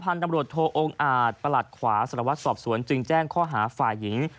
ตำรวจโทองค์อาจประหลัดขวาสารวัตรสอบสวนจึงแจ้งข้อหาฝ่ายหญิง